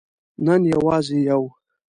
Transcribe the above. نن یوازې یو